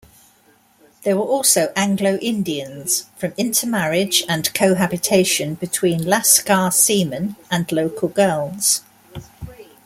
There were also Anglo-Indians, from intermarriage and cohabitation between "lascar" seamen and local girls.